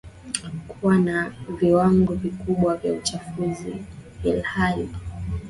kuwa na viwango vikubwa vya uchafuzi ilhali